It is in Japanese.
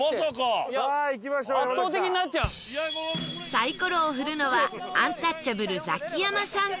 サイコロを振るのはアンタッチャブルザキヤマさん